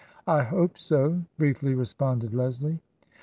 " I hope so," briefly responded Leslie.